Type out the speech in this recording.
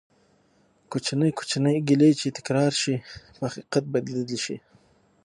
کوچنی کوچنی ګېلې چې تکرار شي ،اخير په حقيقت بدلي شي